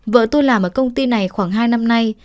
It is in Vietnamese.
vợ tôi làm ở công ty này khoảng hai năm nay